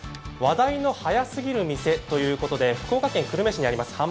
「話題の早すぎる店」ということで、福岡県久留米市にあります